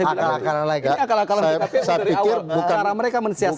akal akalan lain saya pikir bukan pkpu